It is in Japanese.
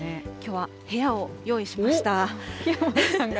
きょうは部屋を用意しました。